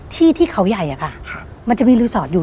ที่เขาใหญ่อะค่ะมันจะมีรีสอร์ทอยู่